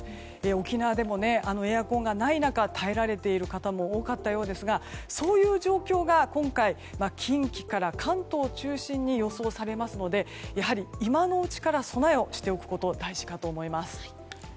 沖縄でもエアコンがない中耐えられている方も多かったようですがそういう状況が今回、近畿から関東中心に予想されますのでやはり、今のうちから備えをしておくことが大事かと思います。